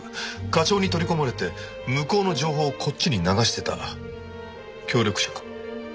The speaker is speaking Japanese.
課長に取り込まれて向こうの情報をこっちに流してた協力者かも。